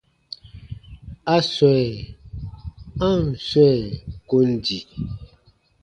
A swɛ̃, a ǹ swɛ̃ kon di.